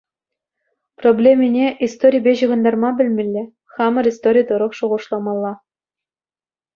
Проблемине историпе ҫыхӑнтарма пӗлмелле, хамӑр истори тӑрӑх шухӑшламалла.